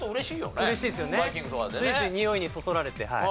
ついついにおいにそそられて。